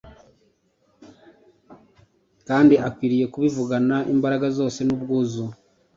kandi akwiriye kubivugana imbaraga zose n’ubwuzu